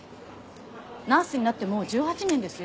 ナースになってもう１８年ですよ